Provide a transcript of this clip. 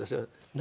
何？